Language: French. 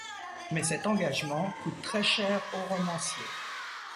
Mais cet engagement coûte très cher au romancier.